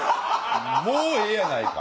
「もうええやないか」？